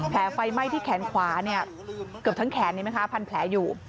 แผลไฟไหม้ที่แขนขวาเกือบทั้งแขนไหมคะพันแผลอยู่